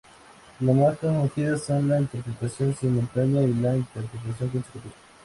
Las más conocidas son la interpretación simultánea y la interpretación consecutiva.